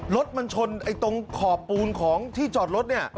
รถมันชนตรงขอบปูนของที่จอดรถเนี่ย